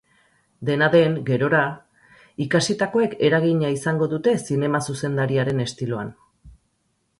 Dena den, gerora, ikasitakoek eragina izango dute zinema zuzendariaren estiloan.